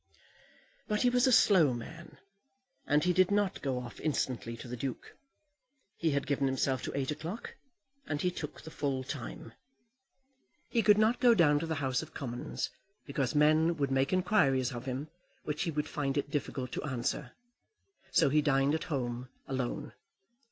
But he was a slow man, and he did not go off instantly to the Duke. He had given himself to eight o'clock, and he took the full time. He could not go down to the House of Commons because men would make inquiries of him which he would find it difficult to answer. So he dined at home, alone.